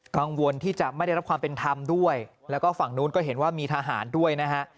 กังวลที่จะไม่ได้รับความเป็นธรรมด้วยแล้วก็ฝั่งนู้นก็เห็นว่ามีทหารด้วยนะฮะ